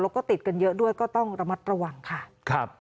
แล้วก็ติดกันเยอะด้วยก็ต้องระมัดระวังค่ะครับ